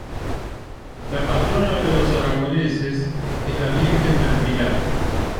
La patrona de los aragoneses es la Virgen del Pilar.